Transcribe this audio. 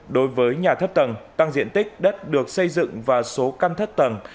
đối với nhà thấp tầng tăng diện tích đất được xây dựng và số căn thất tầng